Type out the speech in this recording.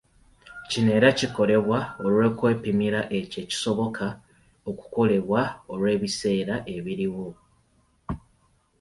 Kino era kikolebwa olw’okwepimira ekyo ekisoboka okukolebwa olw’ebiseera ebiriwo.